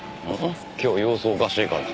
今日様子おかしいから。